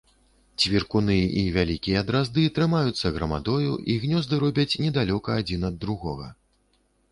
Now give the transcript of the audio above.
Цвіркуны і вялікія дразды трымаюцца грамадою і гнёзды робяць недалёка адзін ад другога.